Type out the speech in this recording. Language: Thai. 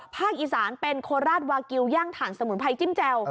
อีสานเป็นโคราชวากิลย่างถ่านสมุนไพรจิ้มแจ่ว